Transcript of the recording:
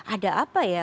ada apa ya